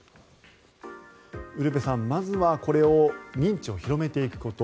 ウルヴェさん、まずはこれを認知を広めていくこと。